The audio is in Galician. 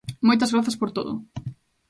Moitas grazas por todo.